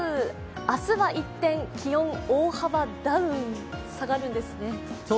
明日は一転、気温大幅ダウン、下がるんですね。